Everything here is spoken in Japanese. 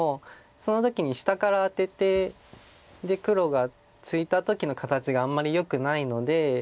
その時に下からアテて黒がツイだ時の形があんまりよくないので。